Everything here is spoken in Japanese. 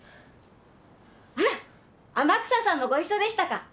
あら天草さんもご一緒でしたか。